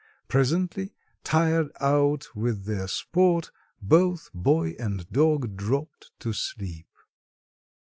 Presently, tired out with their sport, both boy and dog dropped to sleep.